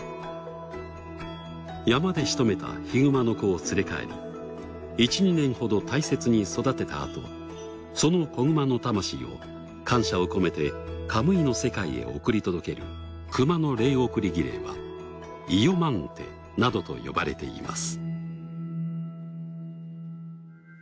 山でしとめたヒグマの子を連れ帰り１２年ほど大切に育てたあとその子グマの魂を感謝を込めてカムイの世界へ送り届ける熊の霊送り儀礼はイヨマンテなどと呼ばれています。